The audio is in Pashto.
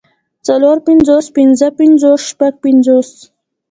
څلور پنځوس پنځۀ پنځوس شپږ پنځوس